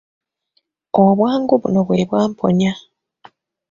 Obwangu buno bwe bwamponya.